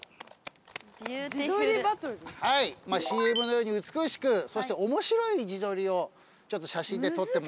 はいＣＭのように美しくそして面白い自撮りを写真で撮ってもらって。